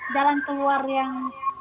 jalan keluar yang